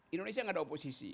indonesia gak ada oposisi